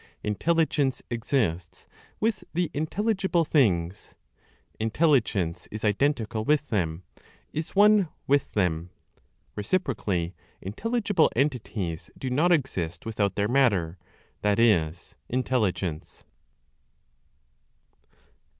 Intelligence exists with the intelligible things; intelligence is identical with them, is one with them. Reciprocally, intelligible entities do not exist without their matter (that is, Intelligence).